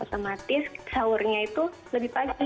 otomatis sahurnya itu lebih padat